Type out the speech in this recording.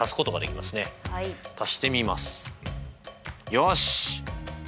よし！